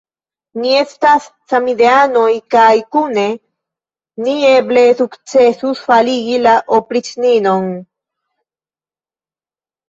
Ni estas samideanoj kaj kune ni eble sukcesus faligi la opriĉninon.